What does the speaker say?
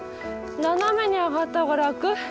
斜めに上がった方が楽？